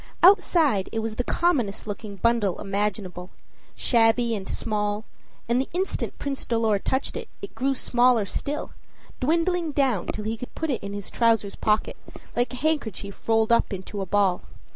Outside it was the commonest looking bundle imaginable shabby and small; and the instant Prince Dolor touched it, it grew smaller still, dwindling down till he could put it in his trousers pocket, like a handkerchief rolled up into a ball.